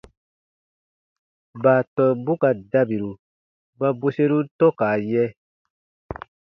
Baatɔmbu ka dabiru ba bweserun tɔ̃ka yɛ̃.